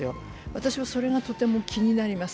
私はそれがとても気になります。